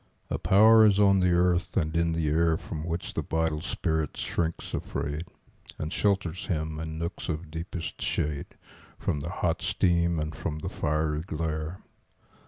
A power is on the earth and in the air From which the vital spirit shrinks afraid, And shelters him, in nooks of deepest shade, From the hot steam and from the fiery glare.